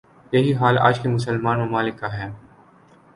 یہی حال آج کے مسلمان ممالک کا ہے ۔